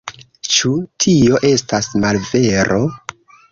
Ĉu tio estas malvero?